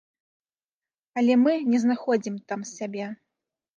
Але мы не знаходзім там сябе.